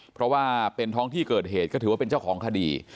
เพราะว่าเป็นท้องที่เกิดเหตุก็ถือว่าเป็นเจ้าของคดี